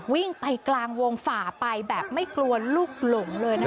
วิ่งไปกลางวงฝ่าไปแบบไม่กลัวลูกหลงเลยนะคะ